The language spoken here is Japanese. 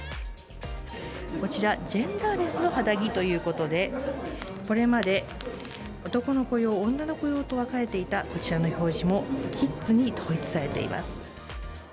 こちら、ジェンダーレスの肌着ということで、これまで男の子用、女の子用と分かれていたこちらの表示も、ＫＩＤＳに統一されています。